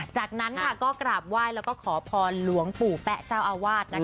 จากนั้นก็กราบไหว้แล้วก็ขอพรหลวงปู่แป๊ะเจ้าอาวาส